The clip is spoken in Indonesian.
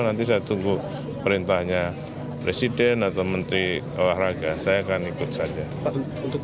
nanti saya tunggu perintahnya presiden atau menteri olahraga saya akan ikut saja